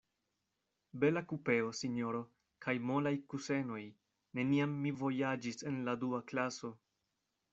Bela kupeo, sinjoro, kaj molaj kusenoj; neniam mi vojaĝis en la dua klaso.